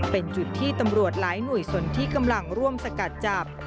เป็นจุดที่ตำรวจหลายหน่วยสนที่กำลังร่วมสกัดจับ